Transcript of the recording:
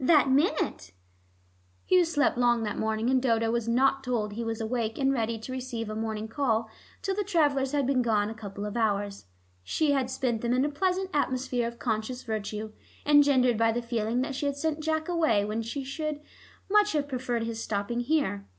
"That minute." Hugh slept long that morning, and Dodo was not told he was awake and ready to receive a morning call till the travelers had been gone a couple of hours. She had spent them in a pleasant atmosphere of conscious virtue, engendered by the feeling that she had sent Jack away when she would much have preferred his stopping here.